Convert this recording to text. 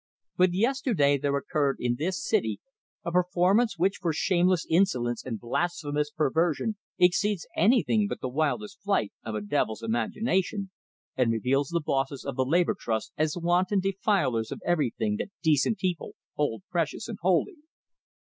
But yesterday there occurred in this city a performance which for shameless insolence and blasphemous perversion exceeds anything but the wildest flight of a devil's imagination, and reveals the bosses of the Labor Trust as wanton defilers of everything that decent people hold precious and holy.